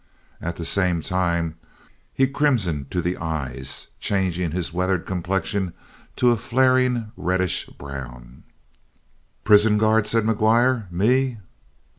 At the same time, he crimsoned to the eyes, changing his weathered complexion to a flaring, reddish brown. "Prison guard?" said McGuire. "Me?"